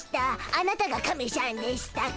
あなたがカメしゃんでしたか。